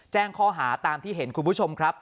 แจ้งข้อหาตามที่เห็นคุณผู้ชมครับ